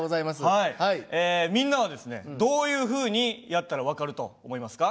みんなはどういうふうにやったら分かると思いますか？